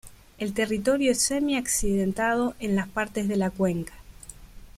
El territorio es semi-accidentado en las partes de la cuenca.